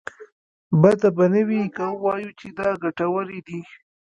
بده به نه وي که ووايو چې دا ګټورې دي.